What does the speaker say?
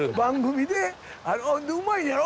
あっうまいんやろ？